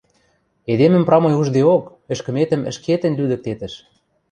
– Эдемӹм прамой уждеок, ӹшкӹметӹм ӹшке тӹнь лӱдӹктетӹш.